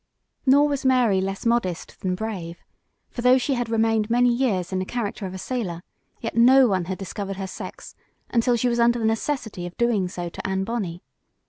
Nor was Mary less modest than brave; for though she had remained many years in the character of a sailor, yet no one had discovered her sex, until she was under the necessity of doing so to Anne Bonney.